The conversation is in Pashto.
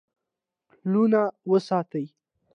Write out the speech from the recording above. پلونه وساتئ